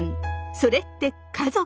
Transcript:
それって家族？